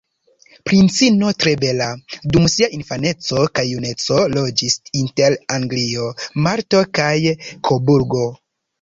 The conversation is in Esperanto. Princino tre bela, dum sia infaneco kaj juneco loĝis inter Anglio, Malto kaj Koburgo.